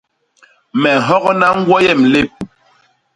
Me nhogna ñgwo yem lép.